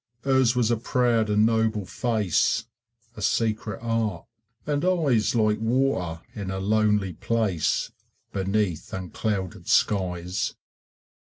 Hers was a proud and noble face, A secret heart, and eyes Like water in a lonely place Beneath unclouded skies.